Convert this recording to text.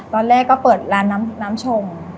ตอนแรกก็เปิดร้านน้ำชง